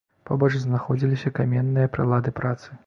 Побач знаходзіліся каменныя прылады працы.